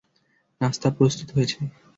নাস্তা প্রস্তুত হয়েছে।